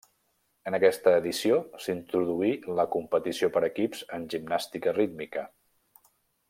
En aquesta edició s'introduí la competició per equips en gimnàstica rítmica.